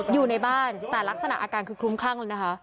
อยู่ในบ้านแต่ลักษณะอาการคือคลุ้มคลั่งเลยนะคะ